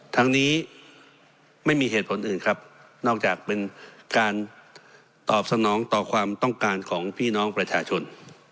ทั้งนี้ไม่มีเหตุผลอื่นครับนอกจากเป็นการตอบสนองต่อความต้องการของพี่น้องประชาชน